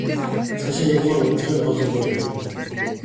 Цаашаа явахаар унтлагын гол өрөө байна.